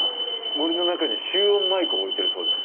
森の中に集音マイクを置いてるそうです。